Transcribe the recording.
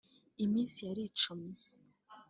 Iminsi yaricumye